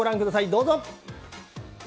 どうぞ！